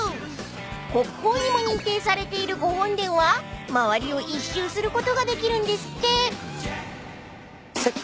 ［国宝にも認定されているご本殿は周りを一周することができるんですって］